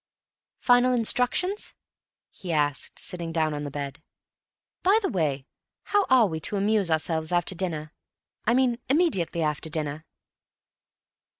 "Final instructions?" he asked, sitting down on the bed. "By the way, how are we amusing ourselves after dinner? I mean immediately after dinner."